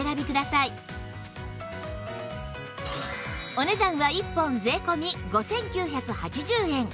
お値段は１本税込５９８０円